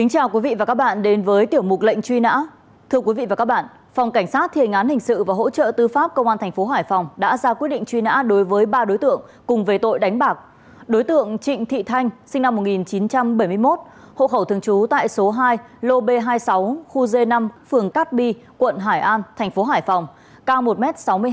hãy đăng ký kênh để ủng hộ kênh của chúng mình nhé